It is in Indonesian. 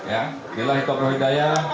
ya itulah itu perhidayah